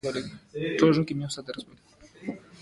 د پښتنو په کلتور کې د فرشونو ډولونه ځانګړي دي.